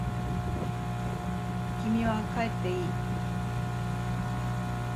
君は帰っていい。